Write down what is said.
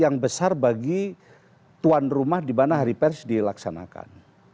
yang besar bagi tuan rumah di mana hari pers dilaksanakan